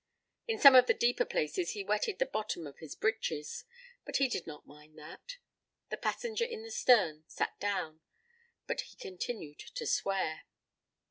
In some of the deeper places he wetted the bottom of his breeches, but he did not mind that. The passenger in the stern sat down, but he continued to swear.